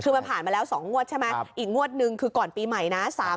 คือมันผ่านมาแล้ว๒งวดใช่ไหมอีกงวดนึงคือก่อนปีใหม่นะ